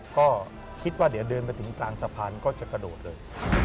ก็คิดว่าเดี๋ยวเดินมาถึงกลางสะพานก็จะกระโดดเลย